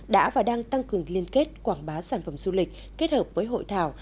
đã và đang tăng cường liên kết quảng bá sản phẩm du lịch kết hợp với hội thảo